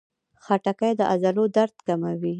خټکی د عضلو درد کموي.